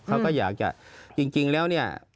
เขาก็อยากจะจริงแล้วเนี่ย